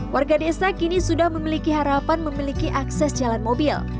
warga desa kini sudah memiliki harapan memiliki akses jalan mobil